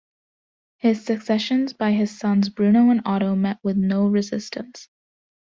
His successions by his sons Bruno and Otto met with no resistance.